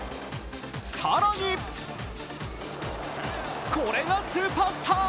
更にこれがスーパースター。